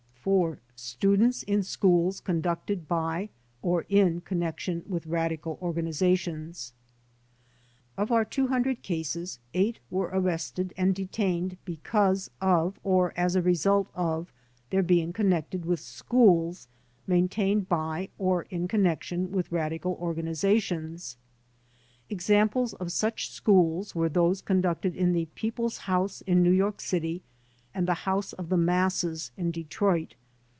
4. Students in Schools Q>nducted by or in Con nection WITH Radical Organizations Of our 200 cases 8 were arrested and detained because or as a result of their being connected with schools main tained by or in connection with radical organizations. Examples of such schools were those conducted in the People's House in New York City, and the House of the Masses in Detroit.